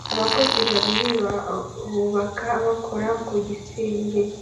Abakozi babiri bubaka bakora ku gisenge